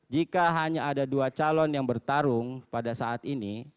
jika hanya ada dua calon yang bertarung pada saat ini